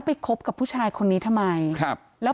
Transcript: ไปคบกับผู้ชายคนนี้ทำไม